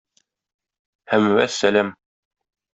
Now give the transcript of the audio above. Һәм вәссәлам!